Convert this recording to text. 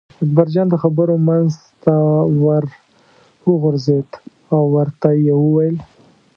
اکبرجان د خبرو منځ ته ور وغورځېد او ورته یې وویل.